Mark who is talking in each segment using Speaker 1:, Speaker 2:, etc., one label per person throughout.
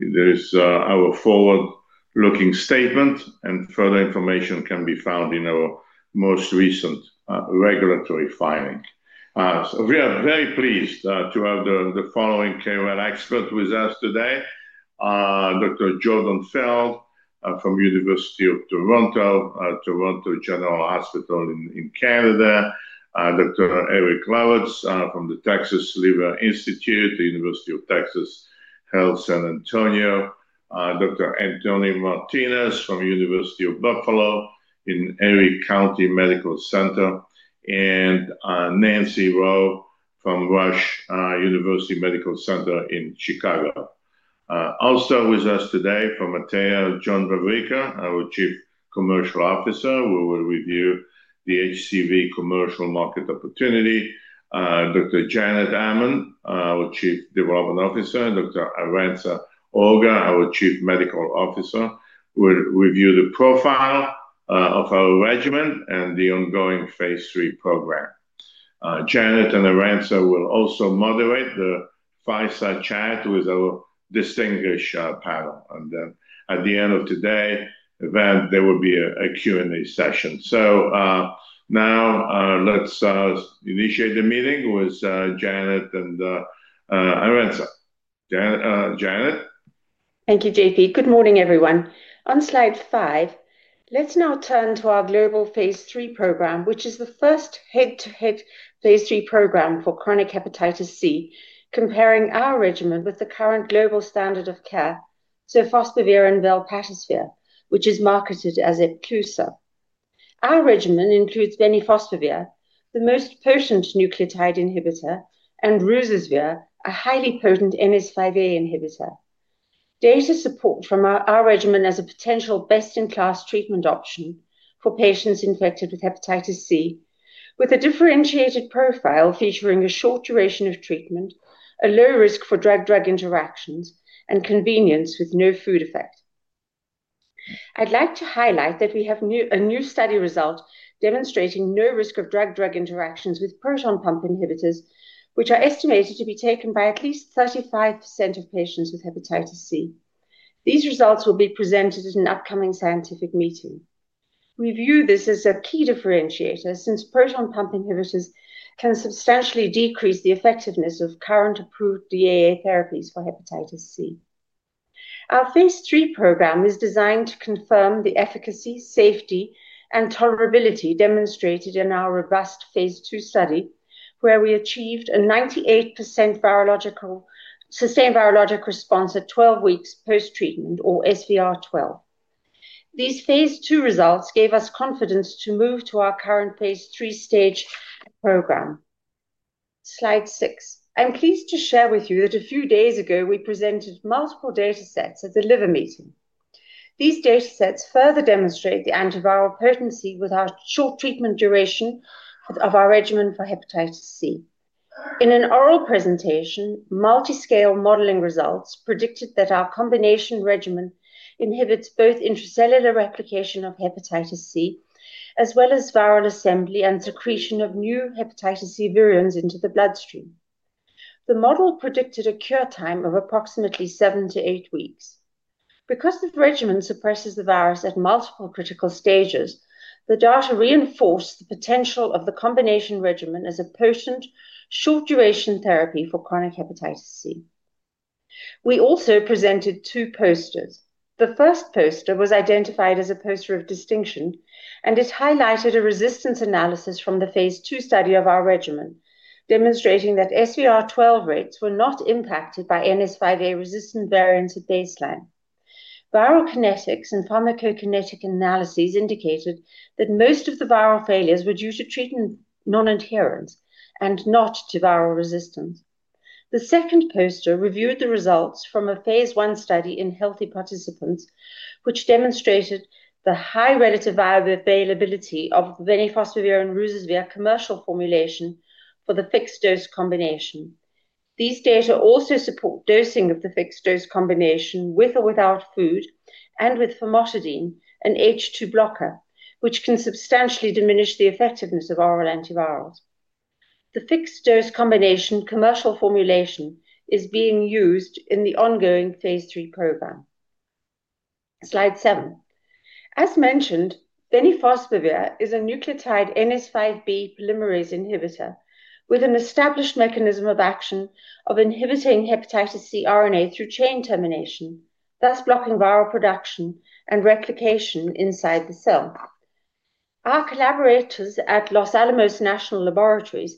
Speaker 1: There is our forward-looking statement, and further information can be found in our most recent regulatory filing. We are very pleased to have the following KOL expert with us today: Dr. Jordan Feld from the University of Toronto, Toronto General Hospital in Canada, Dr. Eric Lawitz from the Texas Liver Institute, the University of Texas Health San Antonio, Dr. Anthony Martinez from the University of Buffalo in Erie County Medical Center, and Nancy Rowe from Rush University Medical Center in Chicago. Also with us today from Atea: John Vavricka, our Chief Commercial Officer, who will review the HCV commercial market opportunity. Dr. Janet Hammond, our Chief Development Officer, Dr. Arantxa Horga, our Chief Medical Officer, who will review the profile of our regimen and the ongoing phase III program. Janet and Arantxa will also moderate the fireside chat with our distinguished panel. At the end of today's event, there will be a Q&A session. Now let's initiate the meeting with Janet and Arantxa. Janet?
Speaker 2: Thank you, JP. Good morning, everyone. On slide five, let's now turn to our global phase III program, which is the first head-to-head phase III program for chronic hepatitis C, comparing our regimen with the current global standard of care: sofosbuvir and velpatasvir, which is marketed as Epclusa. Our regimen includes bemnifosbuvir, the most potent nucleotide inhibitor, and ruzasvir, a highly potent NS5A inhibitor. Data support from our regimen as a potential best-in-class treatment option for patients infected with hepatitis C, with a differentiated profile featuring a short duration of treatment, a low risk for drug-drug interactions, and convenience with no food effect. I'd like to highlight that we have a new study result demonstrating no risk of drug-drug interactions with proton pump inhibitors, which are estimated to be taken by at least 35% of patients with hepatitis C. These results will be presented at an upcoming scientific meeting. We view this as a key differentiator since proton pump inhibitors can substantially decrease the effectiveness of current approved DAA therapies for hepatitis C. Our phase III program is designed to confirm the efficacy, safety, and tolerability demonstrated in our robust phase II study, where we achieved a 98% sustained virologic response at 12 weeks post-treatment, or SVR12. These phase II results gave us confidence to move to our current phase III stage program. Slide six. I'm pleased to share with you that a few days ago we presented multiple data sets at the liver meeting. These data sets further demonstrate the antiviral potency with our short treatment duration of our regimen for hepatitis C. In an oral presentation, multi-scale modeling results predicted that our combination regimen inhibits both intracellular replication of hepatitis C as well as viral assembly and secretion of new hepatitis C variants into the bloodstream. The model predicted a cure time of approximately seven to eight weeks. Because the regimen suppresses the virus at multiple critical stages, the data reinforced the potential of the combination regimen as a potent, short-duration therapy for chronic hepatitis C. We also presented two posters. The first poster was identified as a poster of distinction, and it highlighted a resistance analysis from the phase II study of our regimen, demonstrating that SVR12 rates were not impacted by NS5A-resistant variants at baseline. Viral kinetics and pharmacokinetic analyses indicated that most of the viral failures were due to treatment non-adherence and not to viral resistance. The second poster reviewed the results from a phase I study in healthy participants, which demonstrated the high relative bioviability of bemnifosbuvir and ruzasvir commercial formulation for the fixed-dose combination. These data also support dosing of the fixed-dose combination with or without food and with famotidine, an H2 blocker, which can substantially diminish the effectiveness of oral antivirals. The fixed-dose combination commercial formulation is being used in the ongoing phase III program. Slide seven. As mentioned, bemnifosbuvir is a nucleotide NS5B polymerase inhibitor with an established mechanism of action of inhibiting hepatitis C RNA through chain termination, thus blocking viral production and replication inside the cell. Our collaborators at Los Alamos National Laboratories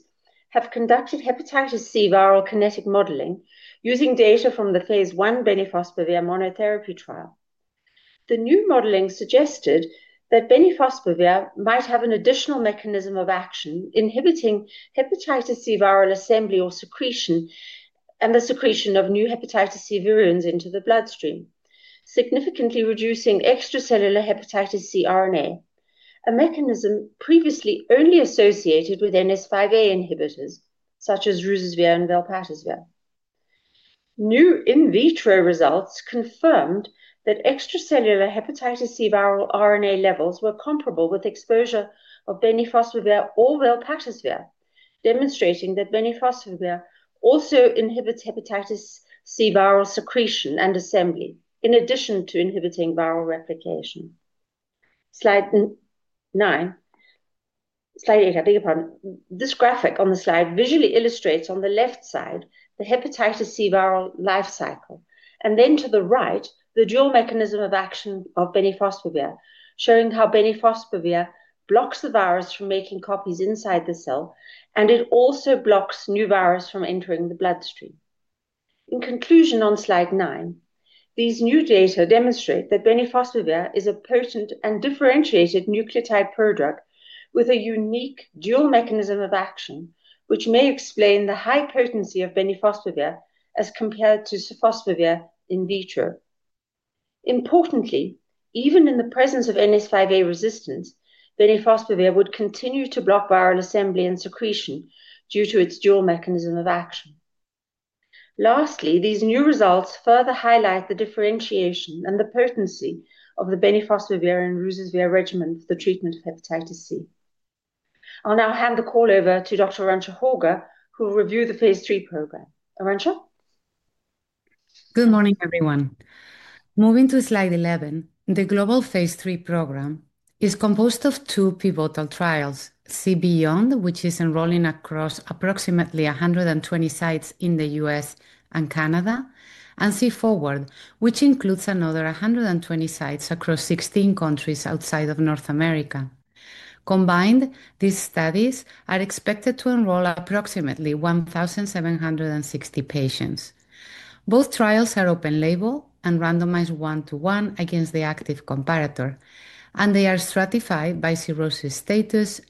Speaker 2: have conducted hepatitis C viral kinetic modeling using data from the phase I bemnifosbuvir monotherapy trial. The new modeling suggested that bemnifosbuvir might have an additional mechanism of action inhibiting hepatitis C viral assembly or secretion and the secretion of new hepatitis C variants into the bloodstream, significantly reducing extracellular hepatitis C RNA, a mechanism previously only associated with NS5A inhibitors such as ruzasvir and velpatasvir. New in vitro results confirmed that extracellular hepatitis C viral RNA levels were comparable with exposure of bemnifosbuvir or velpatasvir, demonstrating that bemnifosbuvir also inhibits hepatitis C viral secretion and assembly, in addition to inhibiting viral replication. Slide nine. Slide eight. I think this graphic on the slide visually illustrates on the left side the hepatitis C viral life cycle, and then to the right, the dual mechanism of action of bemnifosbuvir, showing how bemnifosbuvir blocks the virus from making copies inside the cell, and it also blocks new virus from entering the bloodstream. In conclusion, on slide nine, these new data demonstrate that bemnifosbuvir is a potent and differentiated nucleotide product with a unique dual mechanism of action, which may explain the high potency of bemnifosbuvir as compared to sofosbuvir in vitro. Importantly, even in the presence of NS5A resistance, bemnifosbuvir would continue to block viral assembly and secretion due to its dual mechanism of action. Lastly, these new results further highlight the differentiation and the potency of the bemnifosbuvir and ruzasvir regimen for the treatment of hepatitis C. I'll now hand the call over to Dr. Arantxa Horga, who will review the phase III program. Arantxa?
Speaker 3: Good morning, everyone. Moving to slide 11, the global phase III program is composed of two pivotal trials: CBEYOND, which is enrolling across approximately 120 sites in the U.S. and Canada, and CFORG, which includes another 120 sites across 16 countries outside of North America. Combined, these studies are expected to enroll approximately 1,760 patients. Both trials are open label and randomized one-to-one against the active comparator, and they are stratified by cirrhosis status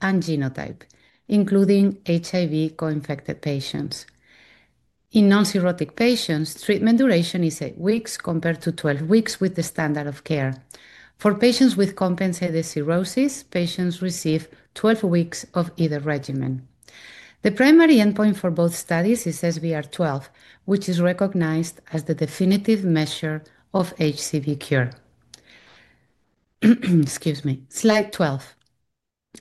Speaker 3: and genotype, including HIV co-infected patients. In non-cirrhotic patients, treatment duration is eight weeks compared to 12 weeks with the standard of care. For patients with compensated cirrhosis, patients receive 12 weeks of either regimen. The primary endpoint for both studies is SVR12, which is recognized as the definitive measure of HCV cure. Excuse me. Slide 12.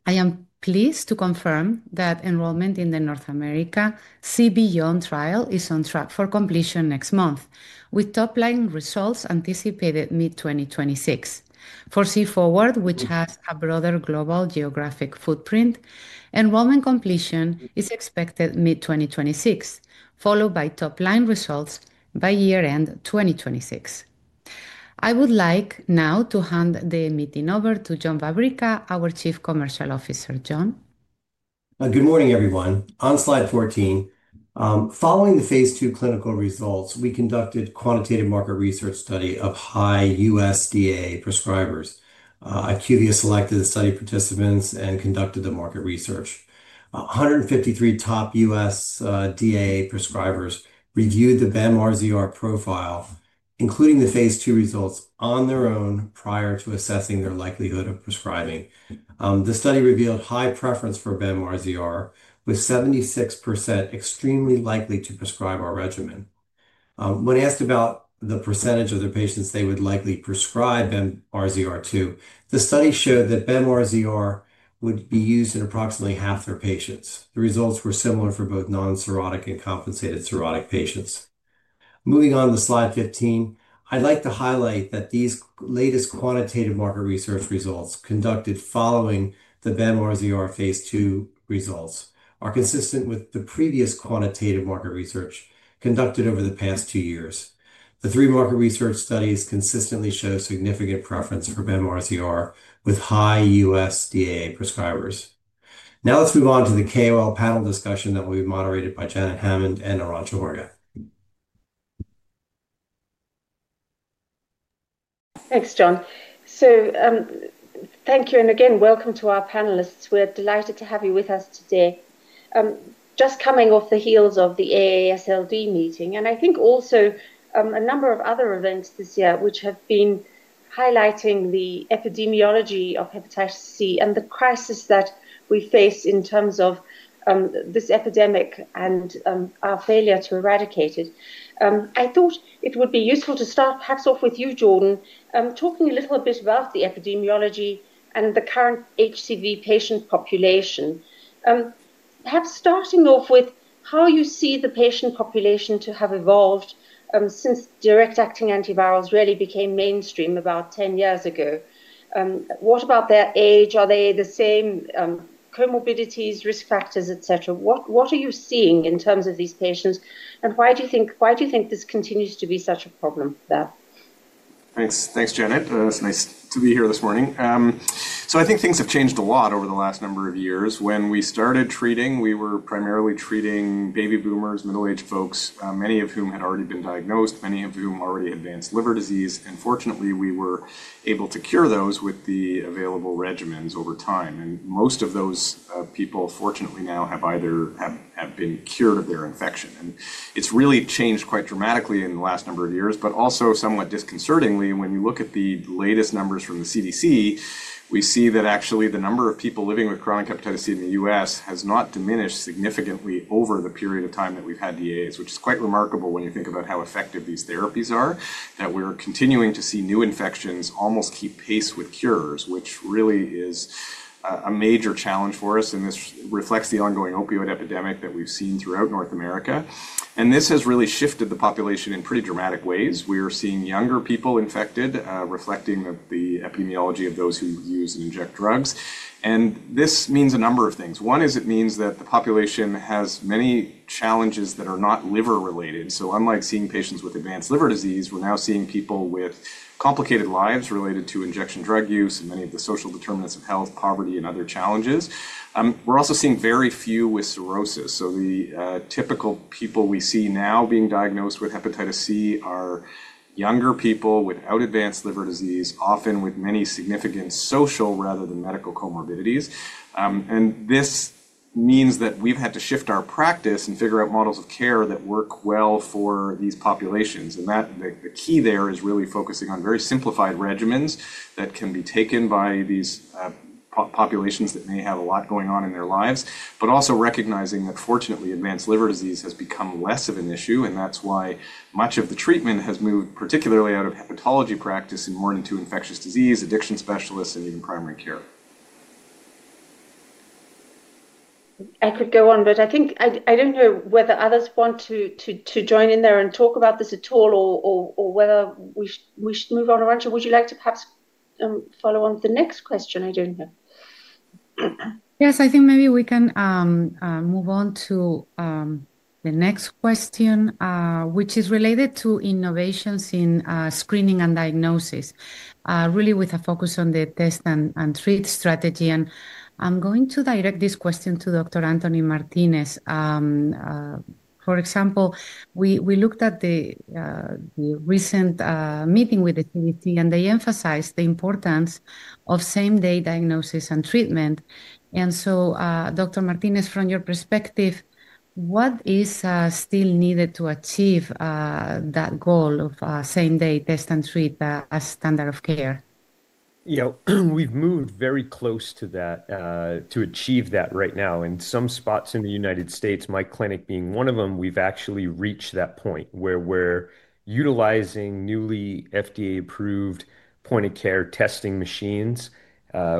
Speaker 3: I am pleased to confirm that enrollment in the North America CBEYOND trial is on track for completion next month, with top-line results anticipated mid-2026. For CFORG, which has a broader global geographic footprint, enrollment completion is expected mid-2026, followed by top-line results by year-end 2026. I would like now to hand the meeting over to John Vavricka, our Chief Commercial Officer. John?
Speaker 4: Good morning, everyone. On slide 14, following the phase II clinical results, we conducted a quantitative market research study of high US DAA prescribers. IQVIA selected the study participants and conducted the market research. 153 top US DAA prescribers reviewed the BEM-RZR profile, including the phase II results, on their own prior to assessing their likelihood of prescribing. The study revealed high preference for BEM-RZR, with 76% extremely likely to prescribe our regimen. When asked about the percentage of the patients they would likely prescribe BEM-RZR to, the study showed that BEM-RZR would be used in approximately half their patients. The results were similar for both non-cirrhotic and compensated cirrhotic patients. Moving on to slide 15, I'd like to highlight that these latest quantitative market research results conducted following the BEM-RZR phase II results are consistent with the previous quantitative market research conducted over the past two years. The three market research studies consistently show significant preference for BEM-RZR with high US DAA prescribers. Now let's move on to the KOL panel discussion that will be moderated by Janet Hammond and Arantxa Horga.
Speaker 2: Thanks, John. Thank you, and again, welcome to our panelists. We're delighted to have you with us today. Just coming off the heels of the AASLD meeting, and I think also a number of other events this year which have been highlighting the epidemiology of hepatitis C and the crisis that we face in terms of this epidemic and our failure to eradicate it. I thought it would be useful to start perhaps off with you, Jordan, talking a little bit about the epidemiology and the current HCV patient population. Perhaps starting off with how you see the patient population to have evolved since direct-acting antivirals really became mainstream about 10 years ago. What about their age? Are they the same? Comorbidities, risk factors, et cetera. What are you seeing in terms of these patients? Why do you think this continues to be such a problem for them?
Speaker 5: Thanks, Janet. It's nice to be here this morning. I think things have changed a lot over the last number of years. When we started treating, we were primarily treating baby boomers, middle-aged folks, many of whom had already been diagnosed, many of whom already had advanced liver disease. Fortunately, we were able to cure those with the available regimens over time. Most of those people, fortunately, now have either been cured of their infection. It has really changed quite dramatically in the last number of years, but also somewhat disconcertingly, when you look at the latest numbers from the CDC, we see that actually the number of people living with chronic hepatitis C in the U.S. has not diminished significantly over the period of time that we've had DAAs, which is quite remarkable when you think about how effective these therapies are, that we're continuing to see new infections almost keep pace with cures, which really is a major challenge for us. This reflects the ongoing opioid epidemic that we've seen throughout North America. This has really shifted the population in pretty dramatic ways. We are seeing younger people infected, reflecting the epidemiology of those who use and inject drugs. This means a number of things. One is it means that the population has many challenges that are not liver-related. Unlike seeing patients with advanced liver disease, we're now seeing people with complicated lives related to injection drug use and many of the social determinants of health, poverty, and other challenges. We're also seeing very few with cirrhosis. The typical people we see now being diagnosed with hepatitis C are younger people without advanced liver disease, often with many significant social rather than medical comorbidities. This means that we've had to shift our practice and figure out models of care that work well for these populations. The key there is really focusing on very simplified regimens that can be taken by these populations that may have a lot going on in their lives, but also recognizing that, fortunately, advanced liver disease has become less of an issue. That is why much of the treatment has moved, particularly out of hepatology practice and more into infectious disease, addiction specialists, and even primary care.
Speaker 2: I could go on, but I think I don't know whether others want to join in there and talk about this at all or whether we should move on. Arantxa, would you like to perhaps follow on to the next question? I don't know.
Speaker 3: Yes, I think maybe we can move on to the next question, which is related to innovations in screening and diagnosis, really with a focus on the test and treat strategy. I am going to direct this question to Dr. Anthony Martinez. For example, we looked at the recent meeting with the CDC, and they emphasized the importance of same-day diagnosis and treatment. Dr. Martinez, from your perspective, what is still needed to achieve that goal of same-day test and treat as standard of care?
Speaker 6: Yeah, we've moved very close to that to achieve that right now. In some spots in the United States, my clinic being one of them, we've actually reached that point where we're utilizing newly FDA-approved point-of-care testing machines.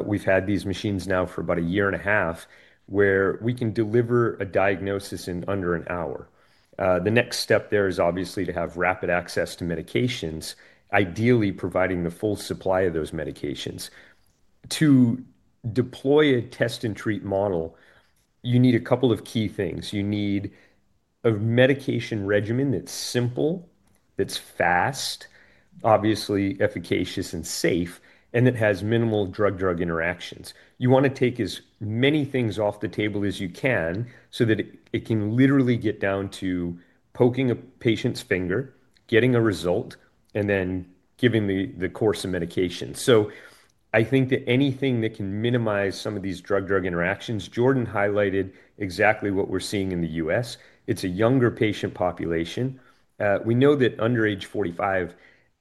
Speaker 6: We've had these machines now for about a year and a half where we can deliver a diagnosis in under an hour. The next step there is obviously to have rapid access to medications, ideally providing the full supply of those medications. To deploy a test and treat model, you need a couple of key things. You need a medication regimen that's simple, that's fast, obviously efficacious and safe, and that has minimal drug-drug interactions. You want to take as many things off the table as you can so that it can literally get down to poking a patient's finger, getting a result, and then giving the course of medication. I think that anything that can minimize some of these drug-drug interactions, Jordan highlighted exactly what we're seeing in the U.S. It's a younger patient population. We know that under age 45,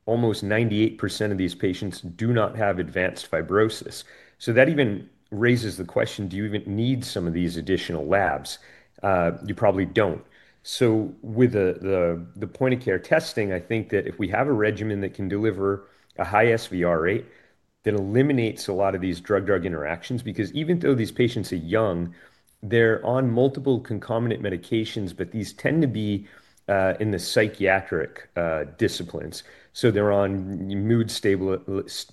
Speaker 6: almost 98% of these patients do not have advanced fibrosis. That even raises the question, do you even need some of these additional labs? You probably don't. With the point-of-care testing, I think that if we have a regimen that can deliver a high SVR rate, that eliminates a lot of these drug-drug interactions, because even though these patients are young, they're on multiple concomitant medications, but these tend to be in the psychiatric disciplines. They're on mood stabilizers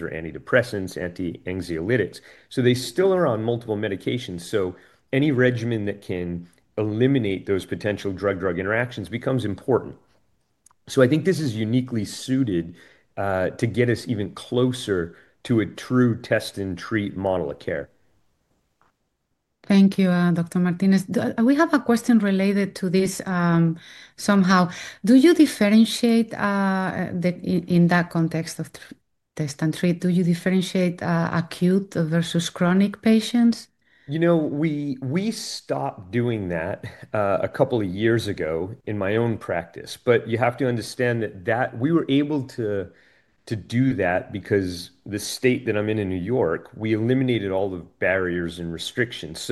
Speaker 6: or antidepressants, anti-anxiolytics. They still are on multiple medications. Any regimen that can eliminate those potential drug-drug interactions becomes important. I think this is uniquely suited to get us even closer to a true test and treat model of care.
Speaker 3: Thank you, Dr. Martinez. We have a question related to this somehow. Do you differentiate in that context of test and treat, do you differentiate acute versus chronic patients?
Speaker 6: You know, we stopped doing that a couple of years ago in my own practice. You have to understand that we were able to do that because the state that I'm in, in New York, we eliminated all the barriers and restrictions.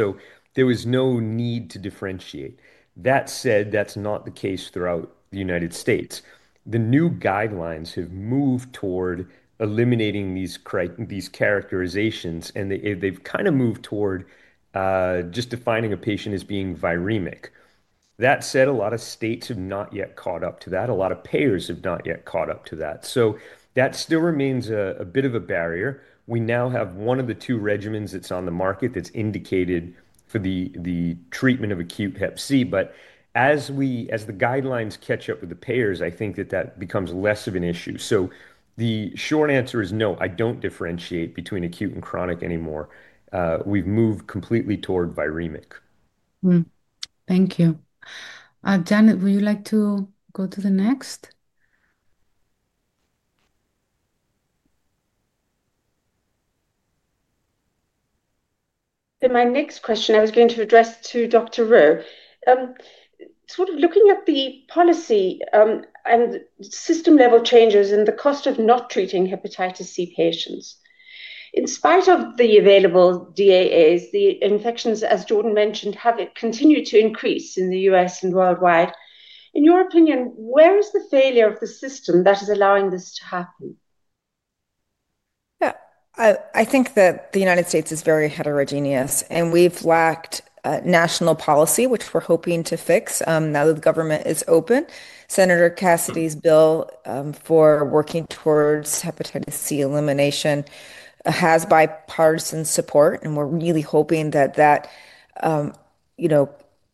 Speaker 6: There was no need to differentiate. That said, that's not the case throughout the United States. The new guidelines have moved toward eliminating these characterizations, and they've kind of moved toward just defining a patient as being viremic. That said, a lot of states have not yet caught up to that. A lot of payers have not yet caught up to that. That still remains a bit of a barrier. We now have one of the two regimens that's on the market that's indicated for the treatment of acute hep C. As the guidelines catch up with the payers, I think that that becomes less of an issue. The short answer is no, I don't differentiate between acute and chronic anymore. We've moved completely toward viremic.
Speaker 3: Thank you. Janet, would you like to go to the next?
Speaker 2: My next question I was going to address to Dr. Rowe. Sort of looking at the policy and system-level changes in the cost of not treating hepatitis C patients, in spite of the available DAAs, the infections, as Jordan mentioned, have continued to increase in the U.S. and worldwide. In your opinion, where is the failure of the system that is allowing this to happen?
Speaker 7: Yeah, I think that the United States is very heterogeneous, and we've lacked national policy, which we're hoping to fix now that the government is open. Senator Cassidy's bill for working towards hepatitis C elimination has bipartisan support, and we're really hoping that that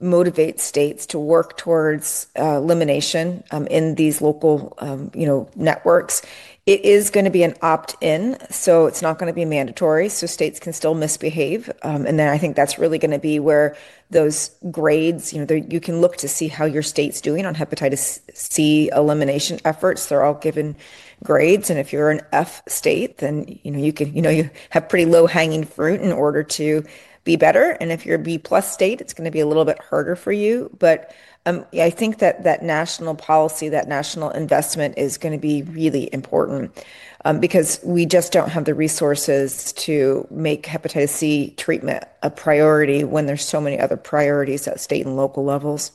Speaker 7: motivates states to work towards elimination in these local networks. It is going to be an opt-in, so it's not going to be mandatory. States can still misbehave. I think that's really going to be where those grades, you can look to see how your state's doing on hepatitis C elimination efforts. They're all given grades. If you're an F state, then you have pretty low hanging fruit in order to be better. If you're a B-plus state, it's going to be a little bit harder for you. I think that national policy, that national investment is going to be really important because we just don't have the resources to make hepatitis C treatment a priority when there's so many other priorities at state and local levels.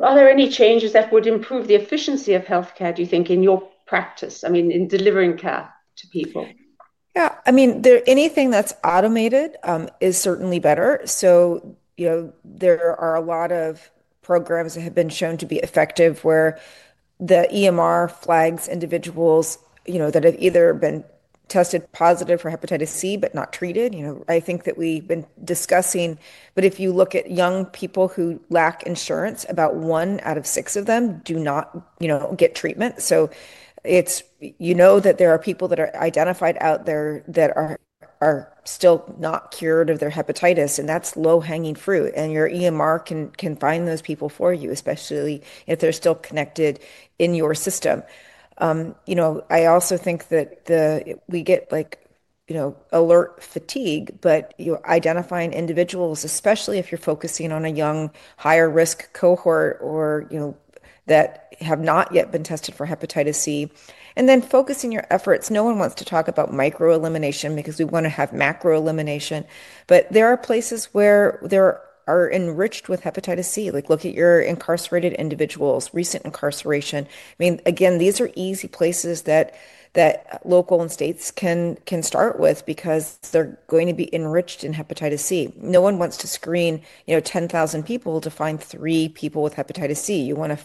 Speaker 2: Are there any changes that would improve the efficiency of healthcare, do you think, in your practice, I mean, in delivering care to people?
Speaker 7: Yeah, I mean, anything that's automated is certainly better. There are a lot of programs that have been shown to be effective where the EMR flags individuals that have either been tested positive for hepatitis C but not treated. I think that we've been discussing, but if you look at young people who lack insurance, about one out of six of them do not get treatment. You know that there are people that are identified out there that are still not cured of their hepatitis, and that's low hanging fruit. Your EMR can find those people for you, especially if they're still connected in your system. I also think that we get alert fatigue, but identifying individuals, especially if you're focusing on a young, higher-risk cohort or that have not yet been tested for hepatitis C, and then focusing your efforts. No one wants to talk about microelimination because we want to have macroelimination. There are places where they are enriched with hepatitis C. Look at your incarcerated individuals, recent incarceration. I mean, again, these are easy places that local and states can start with because they're going to be enriched in hepatitis C. No one wants to screen 10,000 people to find three people with hepatitis C. You want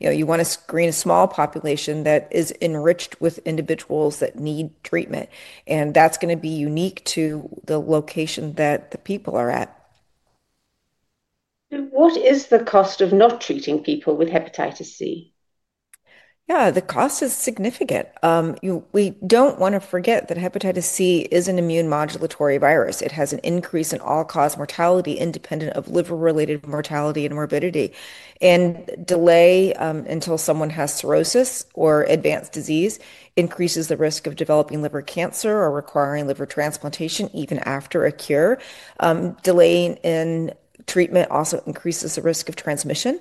Speaker 7: to screen a small population that is enriched with individuals that need treatment. That's going to be unique to the location that the people are at.
Speaker 2: What is the cost of not treating people with hepatitis C?
Speaker 7: Yeah, the cost is significant. We don't want to forget that hepatitis C is an immune modulatory virus. It has an increase in all-cause mortality independent of liver-related mortality and morbidity. Delay until someone has cirrhosis or advanced disease increases the risk of developing liver cancer or requiring liver transplantation even after a cure. Delaying in treatment also increases the risk of transmission.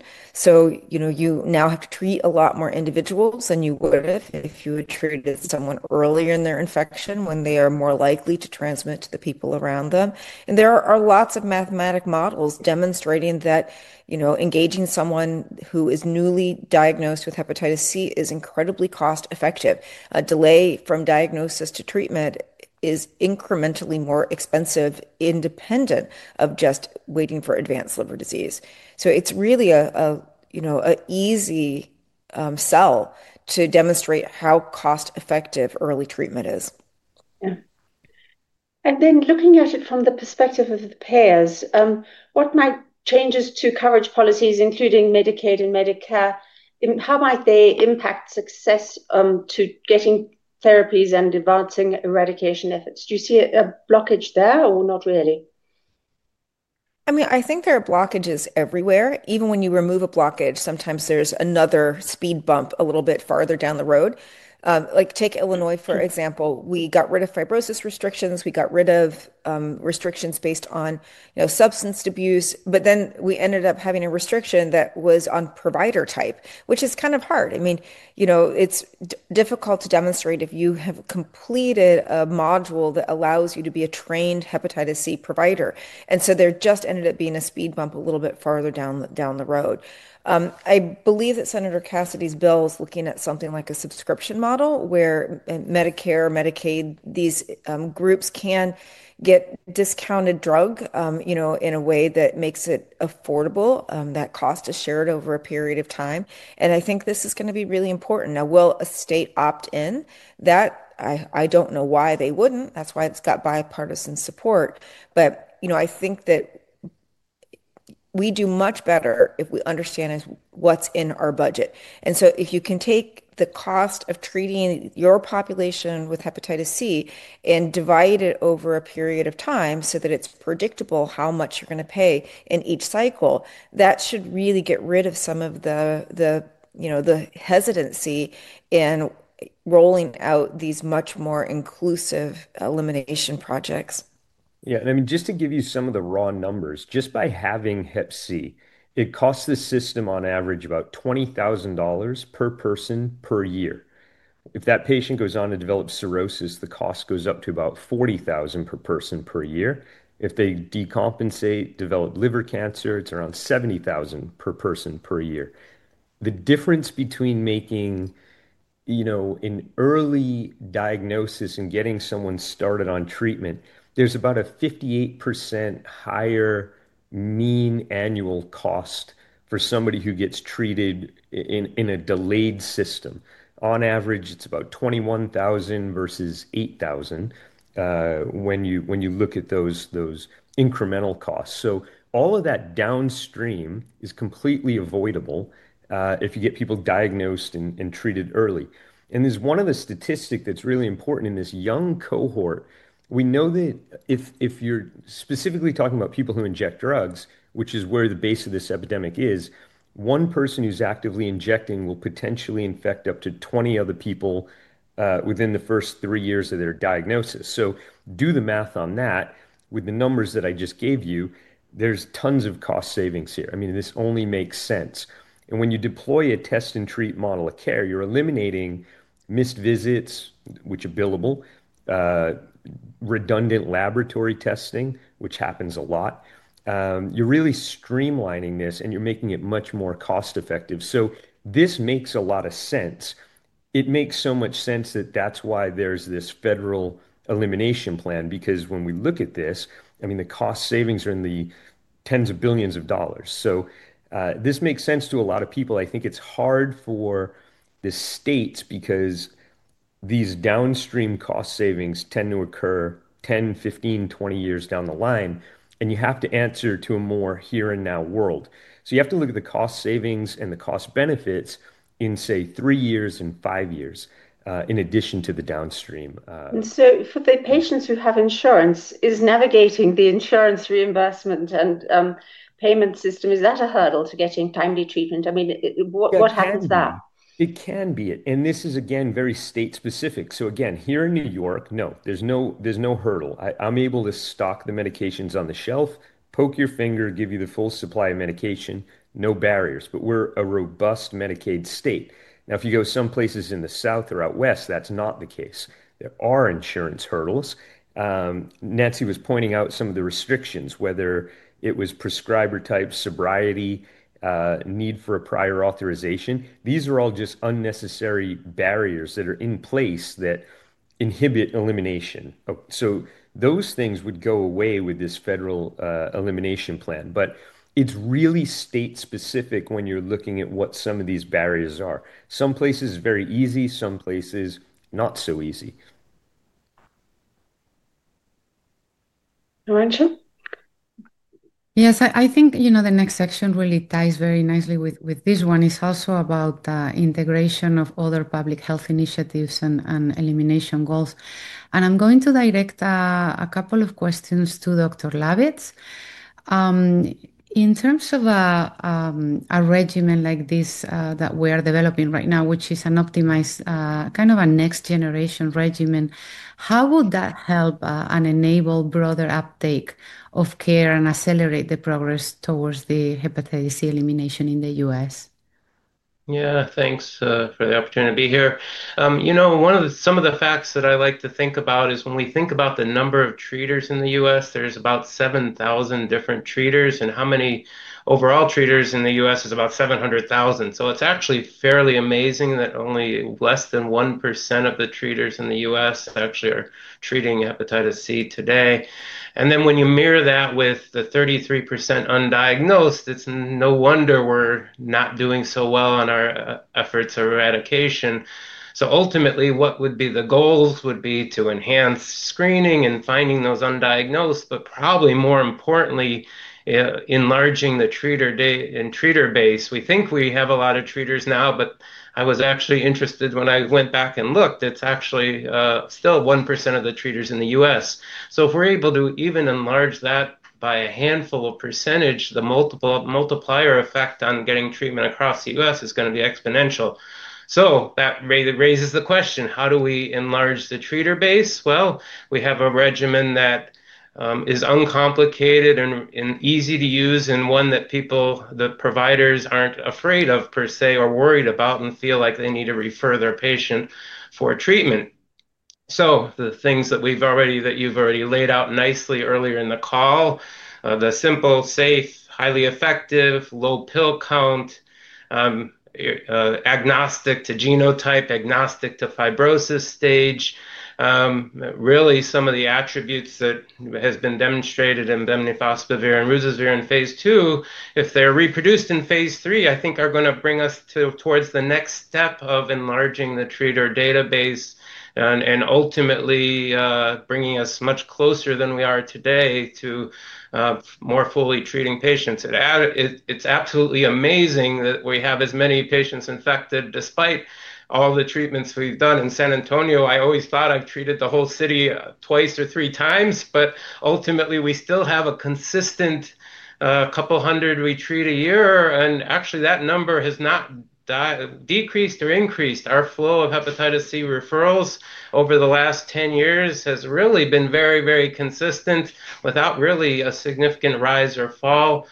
Speaker 7: You now have to treat a lot more individuals than you would have if you had treated someone earlier in their infection when they are more likely to transmit to the people around them. There are lots of mathematic models demonstrating that engaging someone who is newly diagnosed with hepatitis C is incredibly cost-effective. A delay from diagnosis to treatment is incrementally more expensive independent of just waiting for advanced liver disease. It's really an easy sell to demonstrate how cost-effective early treatment is.
Speaker 2: Yeah. And then looking at it from the perspective of the payers, what might changes to coverage policies, including Medicaid and Medicare, how might they impact success to getting therapies and advancing eradication efforts? Do you see a blockage there or not really?
Speaker 7: I mean, I think there are blockages everywhere. Even when you remove a blockage, sometimes there's another speed bump a little bit farther down the road. Take Illinois, for example. We got rid of fibrosis restrictions. We got rid of restrictions based on substance abuse. Then we ended up having a restriction that was on provider type, which is kind of hard. I mean, it's difficult to demonstrate if you have completed a module that allows you to be a trained hepatitis C provider. And so there just ended up being a speed bump a little bit farther down the road. I believe that Senator Cassidy's bill is looking at something like a subscription model where Medicare, Medicaid, these groups can get discounted drug in a way that makes it affordable, that cost is shared over a period of time. I think this is going to be really important. Now, will a state opt in? I don't know why they wouldn't. That's why it's got bipartisan support. I think that we do much better if we understand what's in our budget. If you can take the cost of treating your population with hepatitis C and divide it over a period of time so that it's predictable how much you're going to pay in each cycle, that should really get rid of some of the hesitancy in rolling out these much more inclusive elimination projects.
Speaker 6: Yeah. And I mean, just to give you some of the raw numbers, just by having hep C, it costs the system on average about $20,000 per person per year. If that patient goes on to develop cirrhosis, the cost goes up to about $40,000 per person per year. If they decompensate, develop liver cancer, it's around $70,000 per person per year. The difference between making an early diagnosis and getting someone started on treatment, there's about a 58% higher mean annual cost for somebody who gets treated in a delayed system. On average, it's about $21,000 versus $8,000 when you look at those incremental costs. All of that downstream is completely avoidable if you get people diagnosed and treated early. There's one other statistic that's really important in this young cohort. We know that if you're specifically talking about people who inject drugs, which is where the base of this epidemic is, one person who's actively injecting will potentially infect up to 20 other people within the first three years of their diagnosis. Do the math on that. With the numbers that I just gave you, there's tons of cost savings here. I mean, this only makes sense. When you deploy a test and treat model of care, you're eliminating missed visits, which are billable, redundant laboratory testing, which happens a lot. You're really streamlining this, and you're making it much more cost-effective. This makes a lot of sense. It makes so much sense that that's why there's this federal elimination plan, because when we look at this, I mean, the cost savings are in the tens of billions of dollars. This makes sense to a lot of people. I think it's hard for the states because these downstream cost savings tend to occur 10, 15, 20 years down the line, and you have to answer to a more here-and-now world. You have to look at the cost savings and the cost benefits in, say, three years and five years in addition to the downstream.
Speaker 2: For the patients who have insurance, is navigating the insurance reimbursement and payment system, is that a hurdle to getting timely treatment? I mean, what happens there?
Speaker 6: It can be. This is, again, very state-specific. Again, here in New York, no, there's no hurdle. I'm able to stock the medications on the shelf, poke your finger, give you the full supply of medication, no barriers. We're a robust Medicaid state. Now, if you go some places in the South or out West, that's not the case. There are insurance hurdles. Nancy was pointing out some of the restrictions, whether it was prescriber-type, sobriety, need for a prior authorization. These are all just unnecessary barriers that are in place that inhibit elimination. Those things would go away with this federal elimination plan. It's really state-specific when you're looking at what some of these barriers are. Some places are very easy, some places not so easy.
Speaker 2: Arantxa?
Speaker 3: Yes, I think the next section really ties very nicely with this one. It is also about the integration of other public health initiatives and elimination goals. I am going to direct a couple of questions to Dr. Lawitz. In terms of a regimen like this that we are developing right now, which is an optimized kind of a next-generation regimen, how would that help and enable broader uptake of care and accelerate the progress towards the hepatitis C elimination in the U.S.?
Speaker 8: Yeah, thanks for the opportunity to be here. You know, one of the facts that I like to think about is when we think about the number of treaters in the U.S., there's about 7,000 different treaters. How many overall treaters in the U.S. is about 700,000. It's actually fairly amazing that only less than 1% of the treaters in the U.S. actually are treating hepatitis C today. When you mirror that with the 33% undiagnosed, it's no wonder we're not doing so well on our efforts of eradication. Ultimately, what would be the goals would be to enhance screening and finding those undiagnosed, but probably more importantly, enlarging the treater base. We think we have a lot of treaters now, but I was actually interested when I went back and looked, it's actually still 1% of the treaters in the U.S. If we're able to even enlarge that by a handful of %, the multiplier effect on getting treatment across the U.S. is going to be exponential. That raises the question, how do we enlarge the treater base? We have a regimen that is uncomplicated and easy to use and one that people, the providers, are not afraid of per se or worried about and feel like they need to refer their patient for treatment. The things that you've already laid out nicely earlier in the call, the simple, safe, highly effective, low pill count, agnostic to genotype, agnostic to fibrosis stage, really some of the attributes that have been demonstrated in bemnifosbuvir and ruzasvir in phase II, if they're reproduced in phase III, I think are going to bring us towards the next step of enlarging the treater database and ultimately bringing us much closer than we are today to more fully treating patients. It's absolutely amazing that we have as many patients infected despite all the treatments we've done. In San Antonio, I always thought I've treated the whole city twice or three times, but ultimately, we still have a consistent couple hundred we treat a year. Actually, that number has not decreased or increased. Our flow of hepatitis C referrals over the last 10 years has really been very, very consistent without really a significant rise or fall.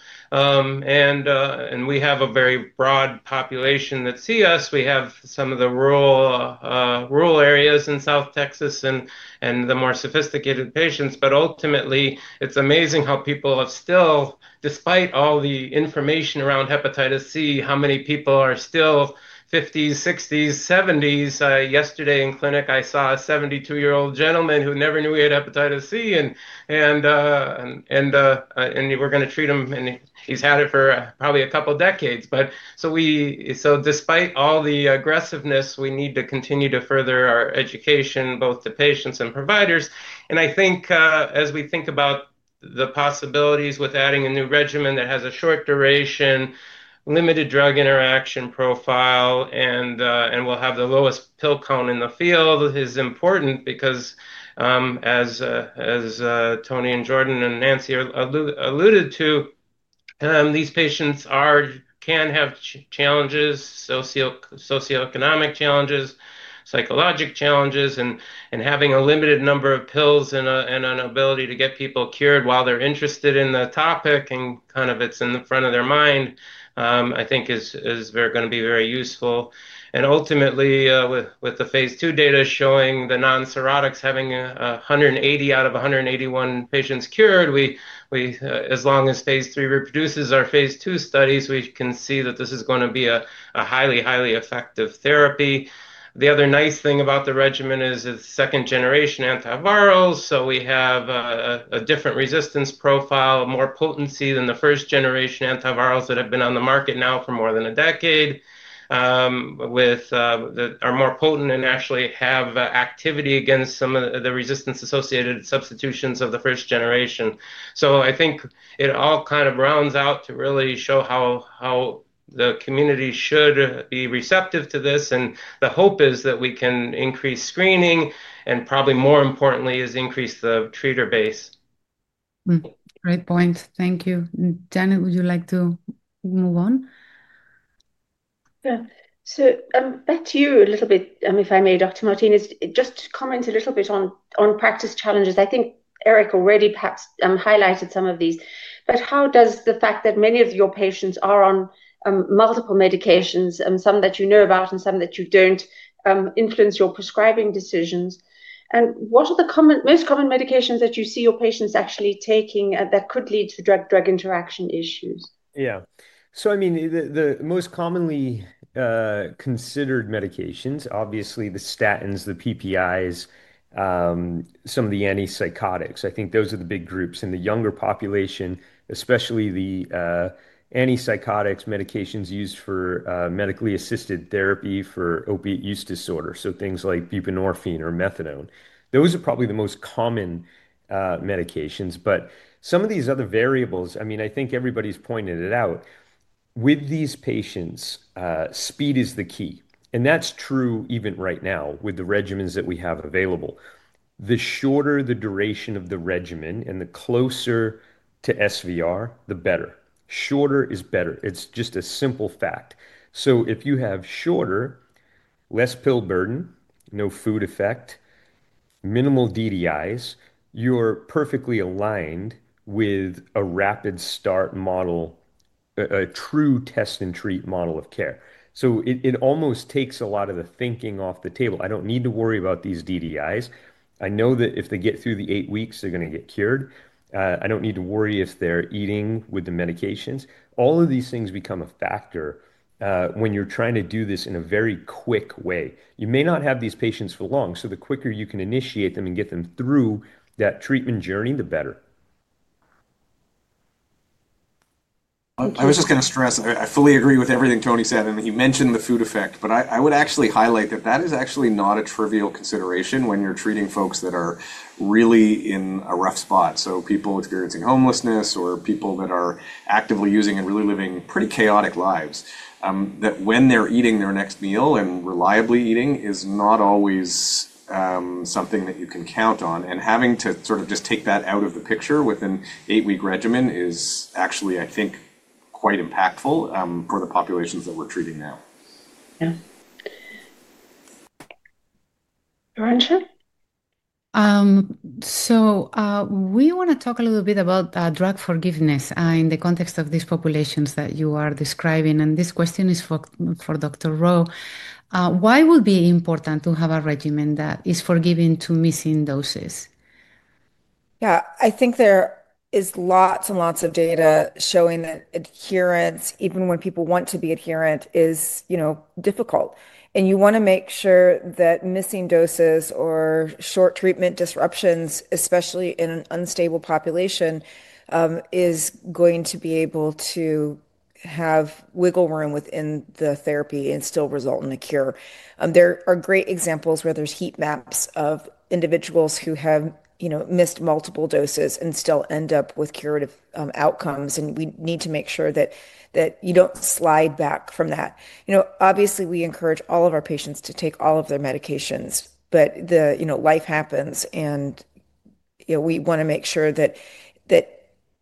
Speaker 8: We have a very broad population that see us. We have some of the rural areas in South Texas and the more sophisticated patients. Ultimately, it's amazing how people have still, despite all the information around hepatitis C, how many people are still 50s, 60s, 70s. Yesterday in clinic, I saw a 72-year-old gentleman who never knew he had hepatitis C, and we're going to treat him, and he's had it for probably a couple of decades. Despite all the aggressiveness, we need to continue to further our education, both to patients and providers. I think as we think about the possibilities with adding a new regimen that has a short duration, limited drug interaction profile, and will have the lowest pill count in the field is important because, as Tony and Jordan and Nancy alluded to, these patients can have challenges, socioeconomic challenges, psychologic challenges. Having a limited number of pills and an ability to get people cured while they're interested in the topic and kind of it's in the front of their mind, I think is going to be very useful. Ultimately, with the phase II data showing the non-cirrhotics having 180 out of 181 patients cured, as long as phase III reproduces our phase II studies, we can see that this is going to be a highly, highly effective therapy. The other nice thing about the regimen is it's second-generation antivirals. We have a different resistance profile, more potency than the first-generation antivirals that have been on the market now for more than a decade, which are more potent and actually have activity against some of the resistance-associated substitutions of the first generation. I think it all kind of rounds out to really show how the community should be receptive to this. The hope is that we can increase screening and probably more importantly, increase the treater base.
Speaker 3: Great points. Thank you. Janet, would you like to move on?
Speaker 2: Yeah. Back to you a little bit, if I may, Dr. Martinez, just to comment a little bit on practice challenges. I think Eric already perhaps highlighted some of these. How does the fact that many of your patients are on multiple medications, some that you know about and some that you do not, influence your prescribing decisions? What are the most common medications that you see your patients actually taking that could lead to drug-drug interaction issues?
Speaker 6: Yeah. So I mean, the most commonly considered medications, obviously the statins, the PPIs, some of the antipsychotics, I think those are the big groups. In the younger population, especially the antipsychotics, medications used for medically assisted therapy for opiate use disorder, so things like buprenorphine or methadone, those are probably the most common medications. Some of these other variables, I mean, I think everybody's pointed it out. With these patients, speed is the key. That's true even right now with the regimens that we have available. The shorter the duration of the regimen and the closer to SVR, the better. Shorter is better. It's just a simple fact. If you have shorter, less pill burden, no food effect, minimal DDIs, you're perfectly aligned with a rapid start model, a true test and treat model of care. It almost takes a lot of the thinking off the table. I don't need to worry about these DDIs. I know that if they get through the eight weeks, they're going to get cured. I don't need to worry if they're eating with the medications. All of these things become a factor when you're trying to do this in a very quick way. You may not have these patients for long, so the quicker you can initiate them and get them through that treatment journey, the better.
Speaker 5: I was just going to stress, I fully agree with everything Tony said. He mentioned the food effect, but I would actually highlight that that is actually not a trivial consideration when you're treating folks that are really in a rough spot. People experiencing homelessness or people that are actively using and really living pretty chaotic lives, that when they're eating their next meal and reliably eating is not always something that you can count on. Having to sort of just take that out of the picture with an eight-week regimen is actually, I think, quite impactful for the populations that we're treating now.
Speaker 2: Yeah. Arantxa?
Speaker 3: We want to talk a little bit about drug forgiveness in the context of these populations that you are describing. This question is for Dr. Rowe. Why would it be important to have a regimen that is forgiving to missing doses?
Speaker 7: Yeah, I think there is lots and lots of data showing that adherence, even when people want to be adherent, is difficult. You want to make sure that missing doses or short treatment disruptions, especially in an unstable population, is going to be able to have wiggle room within the therapy and still result in a cure. There are great examples where there are heat maps of individuals who have missed multiple doses and still end up with curative outcomes. We need to make sure that you do not slide back from that. Obviously, we encourage all of our patients to take all of their medications, but life happens. We want to make sure that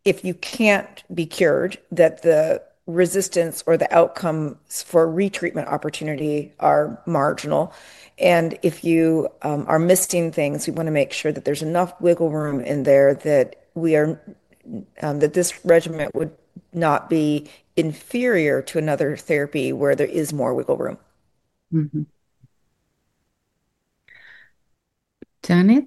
Speaker 7: if you cannot be cured, that the resistance or the outcome for retreatment opportunity are marginal. If you are missing things, we want to make sure that there's enough wiggle room in there that this regimen would not be inferior to another therapy where there is more wiggle room.
Speaker 3: Janet?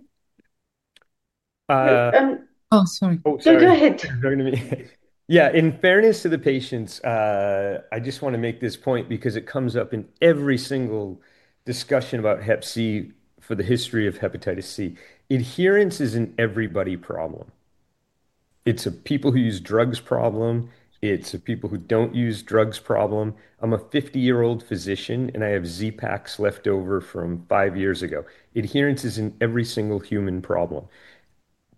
Speaker 2: Oh, sorry.
Speaker 3: Oh, sorry.
Speaker 2: No, go ahead.
Speaker 6: Yeah, in fairness to the patients, I just want to make this point because it comes up in every single discussion about Hep C for the history of hepatitis C. Adherence is an everybody problem. It's a people who use drugs problem. It's a people who don't use drugs problem. I'm a 50-year-old physician, and I have Z-Paks left over from five years ago. Adherence is an every single human problem.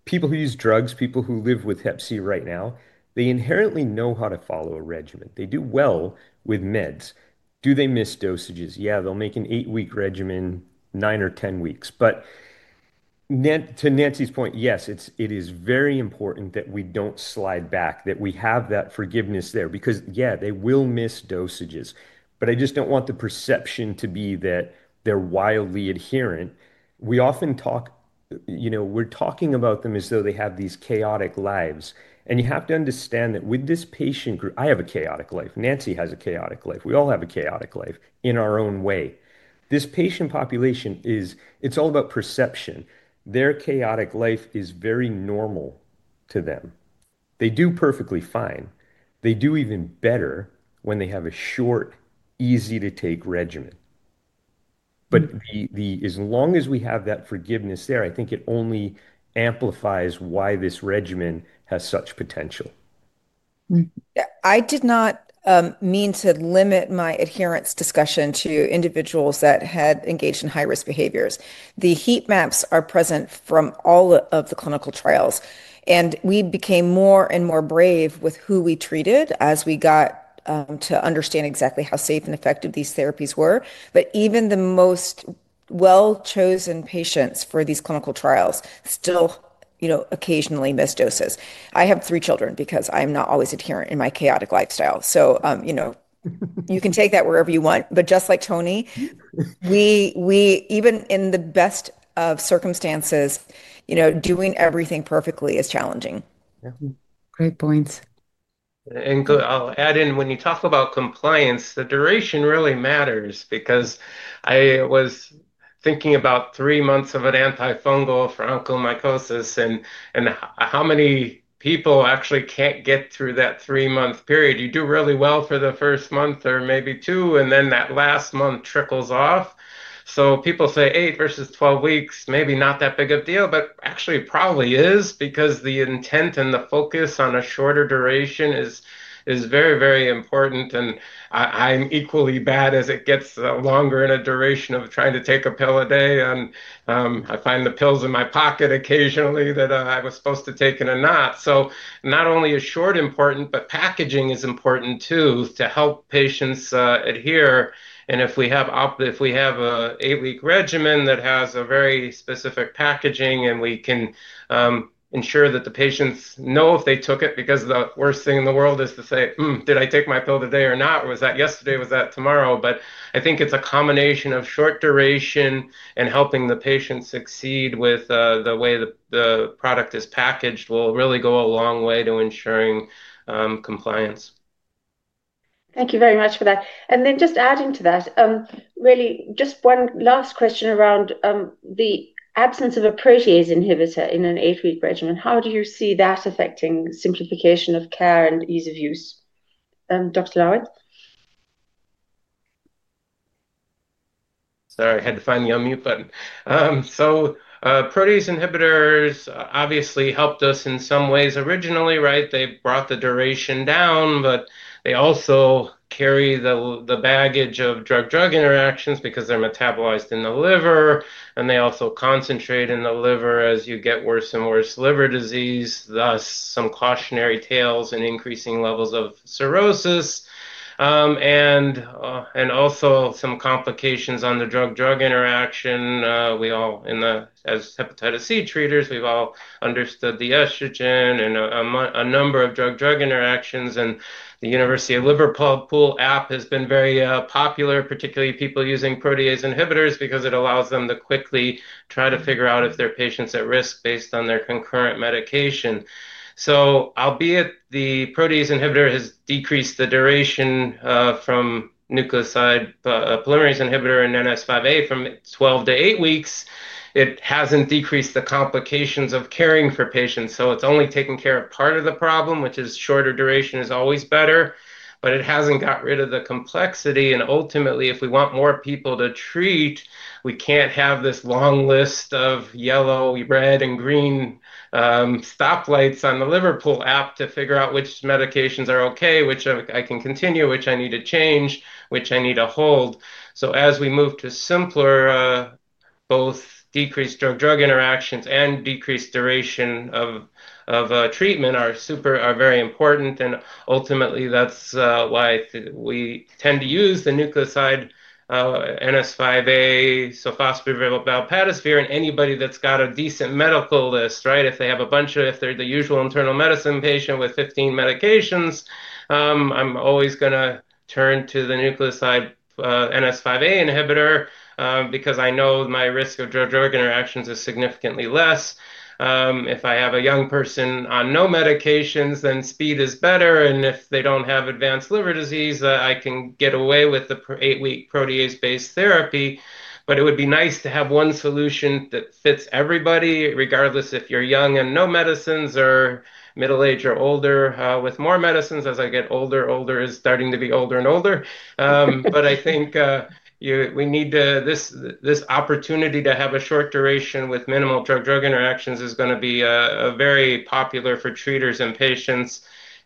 Speaker 6: People who use drugs, people who live with Hep C right now, they inherently know how to follow a regimen. They do well with meds. Do they miss dosages? Yeah, they'll make an eight-week regimen, nine or ten weeks. To Nancy's point, yes, it is very important that we don't slide back, that we have that forgiveness there because, yeah, they will miss dosages. I just don't want the perception to be that they're wildly adherent. We often talk, we're talking about them as though they have these chaotic lives. You have to understand that with this patient group, I have a chaotic life. Nancy has a chaotic life. We all have a chaotic life in our own way. This patient population, it's all about perception. Their chaotic life is very normal to them. They do perfectly fine. They do even better when they have a short, easy-to-take regimen. As long as we have that forgiveness there, I think it only amplifies why this regimen has such potential.
Speaker 7: I did not mean to limit my adherence discussion to individuals that had engaged in high-risk behaviors. The heat maps are present from all of the clinical trials. We became more and more brave with who we treated as we got to understand exactly how safe and effective these therapies were. Even the most well-chosen patients for these clinical trials still occasionally miss doses. I have three children because I'm not always adherent in my chaotic lifestyle. You can take that wherever you want. Just like Tony, even in the best of circumstances, doing everything perfectly is challenging.
Speaker 3: Yeah. Great points.
Speaker 8: I'll add in, when you talk about compliance, the duration really matters because I was thinking about three months of an antifungal for onychomycosis and how many people actually can't get through that three-month period. You do really well for the first month or maybe two, and then that last month trickles off. People say eight versus 12 weeks, maybe not that big of a deal, but actually probably is because the intent and the focus on a shorter duration is very, very important. I'm equally bad as it gets longer in a duration of trying to take a pill a day. I find the pills in my pocket occasionally that I was supposed to take and are not. Not only is short important, but packaging is important too to help patients adhere. If we have an eight-week regimen that has a very specific packaging and we can ensure that the patients know if they took it, because the worst thing in the world is to say, "Did I take my pill today or not? Was that yesterday? Was that tomorrow?" I think it's a combination of short duration and helping the patient succeed with the way the product is packaged will really go a long way to ensuring compliance.
Speaker 2: Thank you very much for that. Just adding to that, really just one last question around the absence of a protease inhibitor in an eight-week regimen. How do you see that affecting simplification of care and ease of use? Dr. Lawitz?
Speaker 8: Sorry, I had to find the unmute button. Protease inhibitors obviously helped us in some ways originally, right? They brought the duration down, but they also carry the baggage of drug-drug interactions because they're metabolized in the liver. They also concentrate in the liver as you get worse and worse liver disease, thus some cautionary tales and increasing levels of cirrhosis. Also, some complications on the drug-drug interaction. We all, as hepatitis C treaters, we've all understood the estrogen and a number of drug-drug interactions. The University of Liverpool app has been very popular, particularly people using protease inhibitors because it allows them to quickly try to figure out if their patient's at risk based on their concurrent medication. Albeit the protease inhibitor has decreased the duration from nucleoside polymerase inhibitor and NS5A from 12 to eight weeks, it hasn't decreased the complications of caring for patients. It's only taken care of part of the problem, which is shorter duration is always better, but it hasn't got rid of the complexity. Ultimately, if we want more people to treat, we can't have this long list of yellow, red, and green stoplights on the Liverpool app to figure out which medications are okay, which I can continue, which I need to change, which I need to hold. As we move to simpler, both decreased drug-drug interactions and decreased duration of treatment are very important. Ultimately, that's why we tend to use the nucleoside NS5A, sulfosphorylated valprotosphere, and anybody that's got a decent medical list, right? If they have a bunch of, if they're the usual internal medicine patient with 15 medications, I'm always going to turn to the nucleoside NS5A inhibitor because I know my risk of drug-drug interactions is significantly less. If I have a young person on no medications, then speed is better. If they don't have advanced liver disease, I can get away with the eight-week protease-based therapy. It would be nice to have one solution that fits everybody, regardless if you're young and no medicines or middle age or older with more medicines as I get older. Older is starting to be older and older. I think we need this opportunity to have a short duration with minimal drug-drug interactions is going to be very popular for treaters and patients.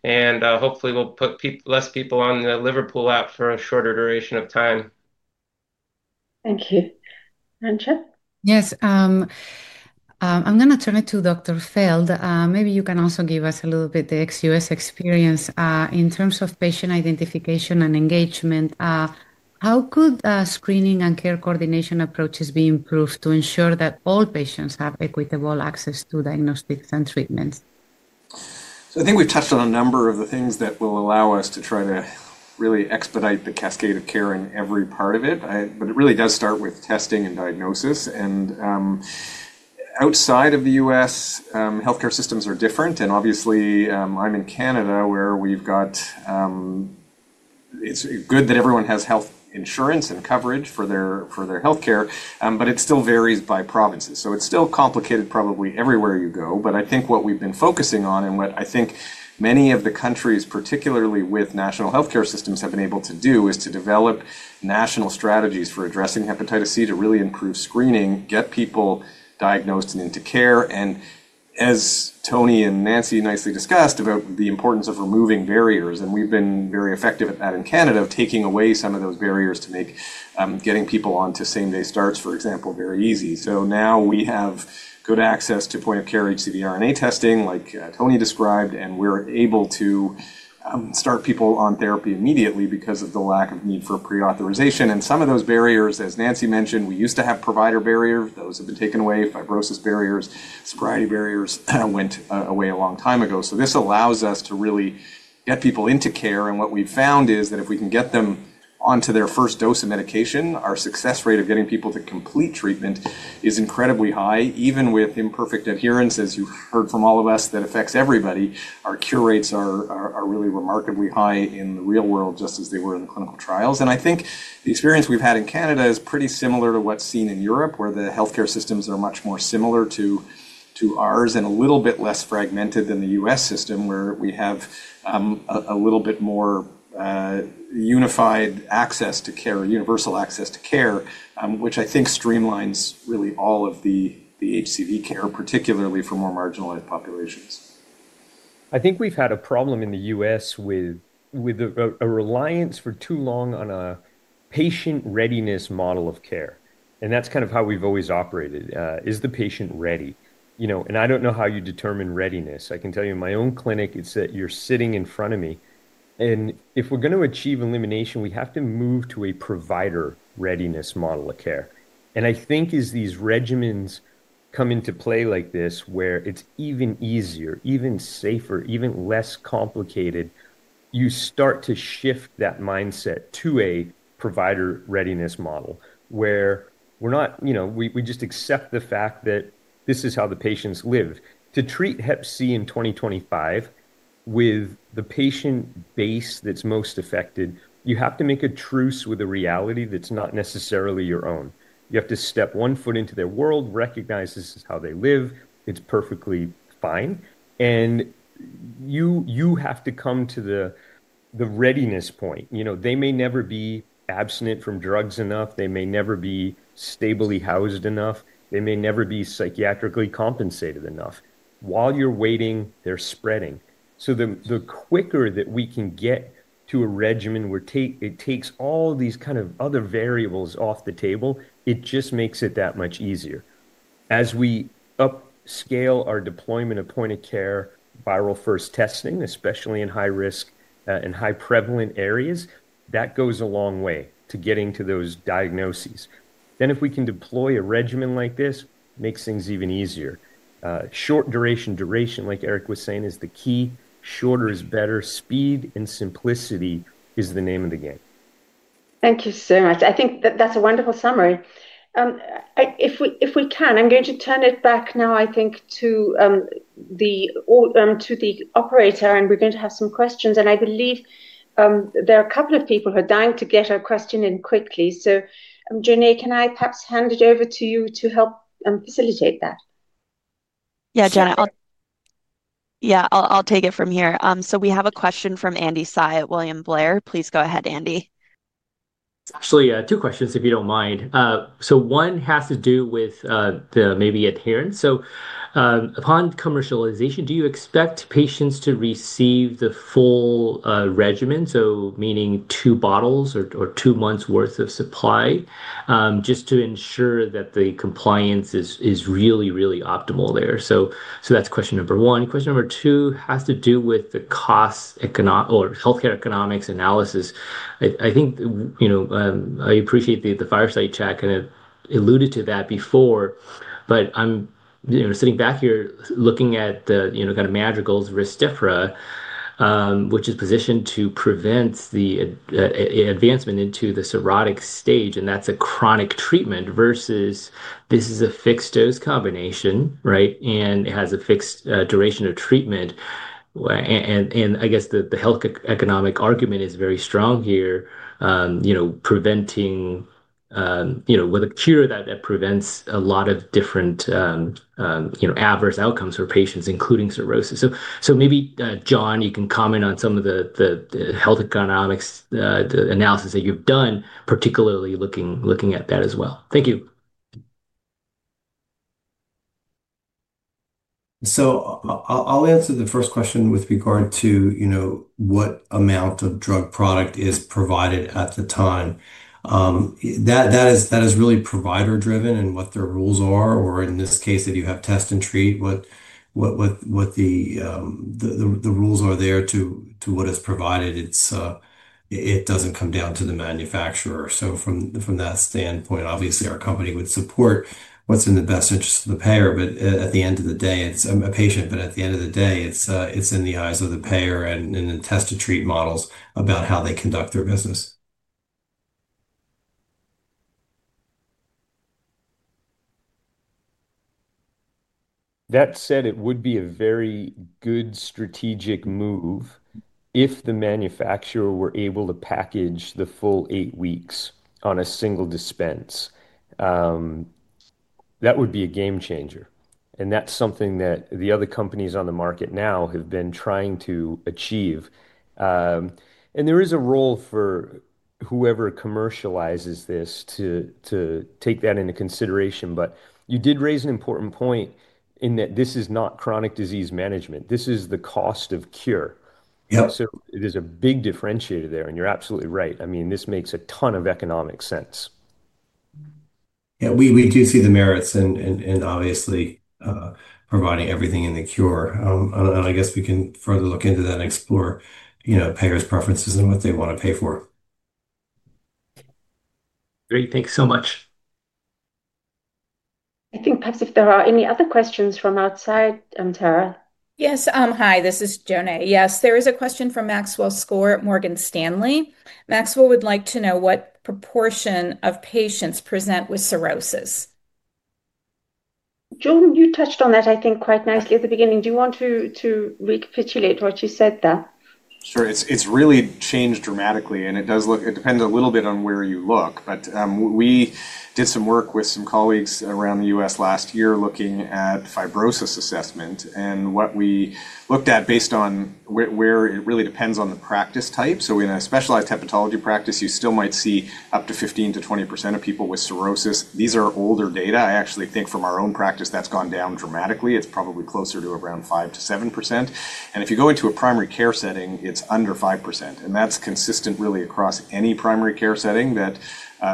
Speaker 8: Hopefully, we'll put less people on the Liverpool app for a shorter duration of time.
Speaker 2: Thank you. Arantxa.
Speaker 3: Yes. I'm going to turn it to Dr. Feld. Maybe you can also give us a little bit of the XUS experience. In terms of patient identification and engagement, how could screening and care coordination approaches be improved to ensure that all patients have equitable access to diagnostics and treatments?
Speaker 5: I think we've touched on a number of the things that will allow us to try to really expedite the cascade of care in every part of it. It really does start with testing and diagnosis. Outside of the U.S., healthcare systems are different. Obviously, I'm in Canada where we've got, it's good that everyone has health insurance and coverage for their healthcare, but it still varies by provinces. It's still complicated probably everywhere you go. I think what we've been focusing on and what I think many of the countries, particularly with national healthcare systems, have been able to do is to develop national strategies for addressing hepatitis C to really improve screening, get people diagnosed and into care. As Tony and Nancy nicely discussed about the importance of removing barriers, we have been very effective at that in Canada of taking away some of those barriers to make getting people onto same-day starts, for example, very easy. Now we have good access to point-of-care HCV RNA testing, like Tony described, and we are able to start people on therapy immediately because of the lack of need for pre-authorization. Some of those barriers, as Nancy mentioned, we used to have provider barriers. Those have been taken away. Fibrosis barriers, sobriety barriers went away a long time ago. This allows us to really get people into care. What we've found is that if we can get them onto their first dose of medication, our success rate of getting people to complete treatment is incredibly high, even with imperfect adherence, as you've heard from all of us that affects everybody. Our cure rates are really remarkably high in the real world, just as they were in the clinical trials. I think the experience we've had in Canada is pretty similar to what's seen in Europe, where the healthcare systems are much more similar to ours and a little bit less fragmented than the U.S. system, where we have a little bit more unified access to care, universal access to care, which I think streamlines really all of the HCV care, particularly for more marginalized populations.
Speaker 6: I think we've had a problem in the U.S. with a reliance for too long on a patient readiness model of care. That's kind of how we've always operated, is the patient ready? I don't know how you determine readiness. I can tell you in my own clinic, it's that you're sitting in front of me. If we're going to achieve elimination, we have to move to a provider readiness model of care. I think as these regimens come into play like this, where it's even easier, even safer, even less complicated, you start to shift that mindset to a provider readiness model where we just accept the fact that this is how the patients live. To treat Hep C in 2025 with the patient base that's most affected, you have to make a truce with a reality that's not necessarily your own. You have to step one foot into their world, recognize this is how they live. It's perfectly fine. You have to come to the readiness point. They may never be abstinent from drugs enough. They may never be stably housed enough. They may never be psychiatrically compensated enough. While you're waiting, they're spreading. The quicker that we can get to a regimen where it takes all these kind of other variables off the table, it just makes it that much easier. As we upscale our deployment of point-of-care viral-first testing, especially in high-risk and high-prevalent areas, that goes a long way to getting to those diagnoses. If we can deploy a regimen like this, it makes things even easier. Short-duration, like Eric was saying, is the key. Shorter is better. Speed and simplicity is the name of the game.
Speaker 2: Thank you so much. I think that's a wonderful summary. If we can, I'm going to turn it back now, I think, to the operator, and we're going to have some questions. I believe there are a couple of people who are dying to get a question in quickly. Jonae, can I perhaps hand it over to you to help facilitate that?
Speaker 9: Yeah, Janet. Yeah, I'll take it from here. We have a question from Andy Hsieh at William Blair. Please go ahead, Andy.
Speaker 10: Actually, two questions, if you don't mind. One has to do with maybe adherence. Upon commercialization, do you expect patients to receive the full regimen? Meaning two bottles or two months' worth of supply just to ensure that the compliance is really, really optimal there. That's question number one. Question number two has to do with the cost or healthcare economics analysis. I think I appreciate the Fireside Chat kind of alluded to that before, but I'm sitting back here looking at the kind of Madrigal's Ristifra, which is positioned to prevent the advancement into the cirrhotic stage. That's a chronic treatment versus this is a fixed dose combination, right? It has a fixed duration of treatment. I guess the health economic argument is very strong here, preventing with a cure that prevents a lot of different adverse outcomes for patients, including cirrhosis. Maybe, John, you can comment on some of the health economics analysis that you've done, particularly looking at that as well. Thank you.
Speaker 4: I'll answer the first question with regard to what amount of drug product is provided at the time. That is really provider-driven and what their rules are, or in this case, if you have test and treat, what the rules are there to what is provided. It does not come down to the manufacturer. From that standpoint, obviously, our company would support what is in the best interest of the payer. At the end of the day, it is a patient, but at the end of the day, it is in the eyes of the payer and in the test-to-treat models about how they conduct their business.
Speaker 6: That said, it would be a very good strategic move if the manufacturer were able to package the full eight weeks on a single dispense. That would be a game changer. That is something that the other companies on the market now have been trying to achieve. There is a role for whoever commercializes this to take that into consideration. You did raise an important point in that this is not chronic disease management. This is the cost of cure. There is a big differentiator there. You are absolutely right. I mean, this makes a ton of economic sense.
Speaker 4: Yeah, we do see the merits in obviously providing everything in the cure. I guess we can further look into that and explore payers' preferences and what they want to pay for.
Speaker 10: Great. Thank you so much.
Speaker 2: I think perhaps if there are any other questions from outside, [Arantxa].
Speaker 9: Yes. Hi, this is Jonae. Yes, there is a question from Maxwell Score at Morgan Stanley. Maxwell would like to know what proportion of patients present with cirrhosis.
Speaker 2: Jordan, you touched on that, I think, quite nicely at the beginning. Do you want to recapitulate what you said there?
Speaker 5: Sure. It's really changed dramatically. It depends a little bit on where you look. We did some work with some colleagues around the U.S. last year looking at fibrosis assessment. What we looked at, it really depends on the practice type. In a specialized hepatology practice, you still might see up to 15-20% of people with cirrhosis. These are older data. I actually think from our own practice, that's gone down dramatically. It's probably closer to around 5-7%. If you go into a primary care setting, it's under 5%. That's consistent really across any primary care setting that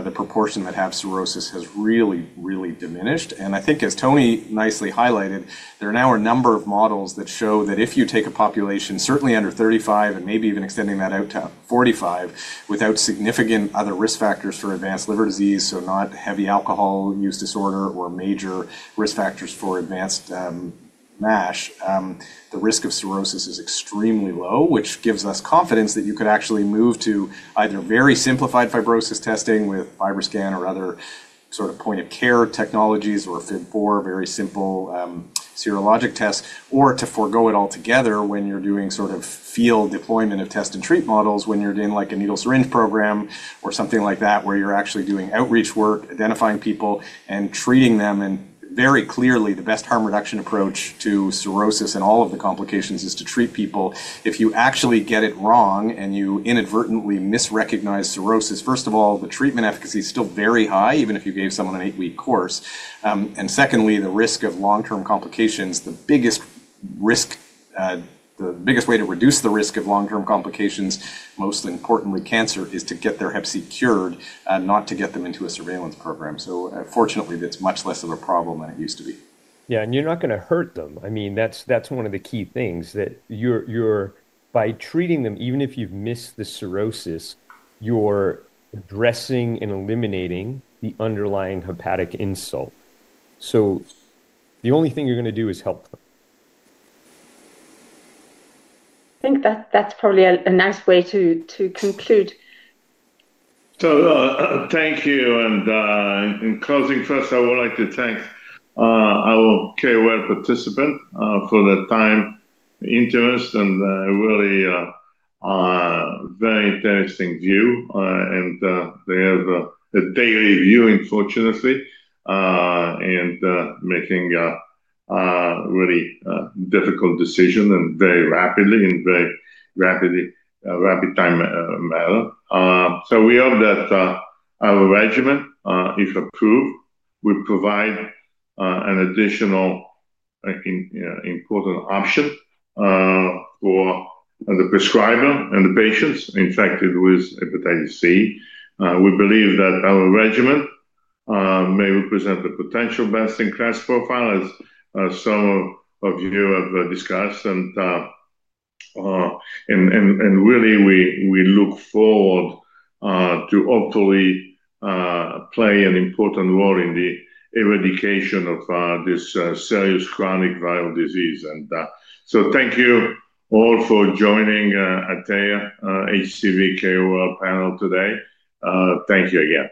Speaker 5: the proportion that have cirrhosis has really, really diminished. I think as Tony nicely highlighted, there are now a number of models that show that if you take a population certainly under 35 and maybe even extending that out to 45 without significant other risk factors for advanced liver disease, so not heavy alcohol use disorder or major risk factors for advanced NASH, the risk of cirrhosis is extremely low, which gives us confidence that you could actually move to either very simplified fibrosis testing with FibroScan or other sort of point-of-care technologies or FIB4, very simple serologic tests, or to forgo it altogether when you're doing sort of field deployment of test and treat models when you're doing like a needle syringe program or something like that where you're actually doing outreach work, identifying people and treating them. Very clearly, the best harm reduction approach to cirrhosis and all of the complications is to treat people. If you actually get it wrong and you inadvertently misrecognize cirrhosis, first of all, the treatment efficacy is still very high, even if you gave someone an eight-week course. Secondly, the risk of long-term complications, the biggest risk, the biggest way to reduce the risk of long-term complications, most importantly, cancer, is to get their Hep C cured, not to get them into a surveillance program. Fortunately, it's much less of a problem than it used to be.
Speaker 6: Yeah. And you're not going to hurt them. I mean, that's one of the key things that you're, by treating them, even if you've missed the cirrhosis, you're addressing and eliminating the underlying hepatic insult. So the only thing you're going to do is help them.
Speaker 2: I think that's probably a nice way to conclude.
Speaker 1: Thank you. In closing, first, I would like to thank our KOL participant for the time, interest, and really very interesting view. They have a daily view, unfortunately, and are making a really difficult decision and very rapidly in a very rapid time matter. We hope that our regimen, if approved, would provide an additional important option for the prescriber and the patients infected with hepatitis C. We believe that our regimen may represent a potential best-in-class profile, as some of you have discussed. We look forward to hopefully play an important role in the eradication of this serious chronic viral disease. Thank you all for joining the Atea HCV KOL panel today. Thank you again.